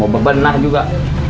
mau bebenah juga